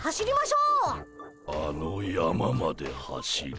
あの山まで走る？